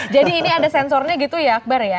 jadi ini ada sensornya gitu ya akbar ya